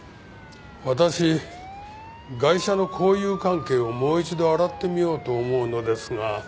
私ガイシャの交友関係をもう一度洗ってみようと思うのですが。